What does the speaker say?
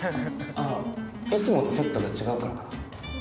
あいつもとセットが違うからかな？